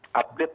nah update dari